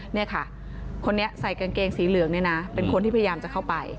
นี่ค่ะคนนี้ใส่กางเกงสีเหลืองเนี่ยนะเป็นคนที่พยายามจะเข้าไป